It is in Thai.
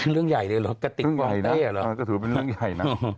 เรื่องใหญ่เลยหรอกระติกวาลเต้หรอก็ถือว่าเป็นเรื่องใหญ่นะ